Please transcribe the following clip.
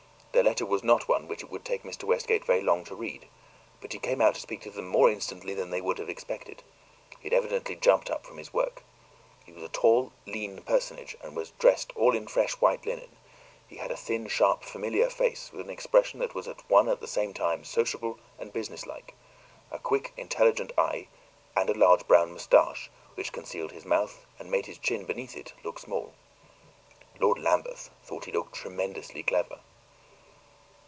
The letter was not one which it would take Mr. Westgate very long to read, but he came out to speak to them more instantly than they could have expected; he had evidently jumped up from his work. He was a tall, lean personage and was dressed all in fresh white linen; he had a thin, sharp, familiar face, with an expression that was at one and the same time sociable and businesslike, a quick, intelligent eye, and a large brown mustache, which concealed his mouth and made his chin, beneath it, look small. Lord Lambeth thought he looked tremendously clever.